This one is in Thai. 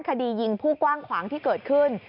คดียิงผู้กว้างขวางที่เกิดขึ้น